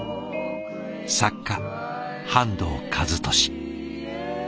作家半藤一利。